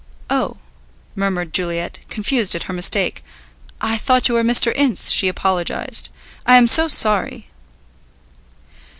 "Oh," murmured Juliet, confused at her mistake. "I thought you were Mr. Ince," she apologized; "I am so sorry."